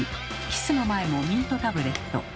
キスの前もミントタブレット。